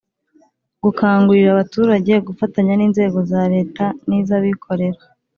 gukangurira abaturage gufatanya n’inzego za leta n'iz'abikorera